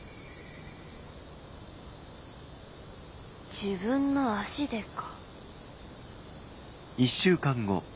自分の足でか。